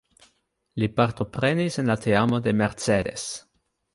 Li partoprenis en la teamo de Mercedes.